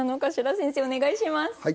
先生お願いします。